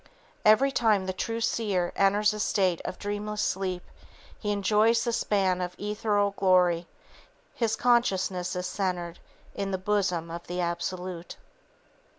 Every time the true seer enters a state of dreamless sleep he enjoys the span of Ethereal Glory; his consciousness is centered in the bosom of the Absolute."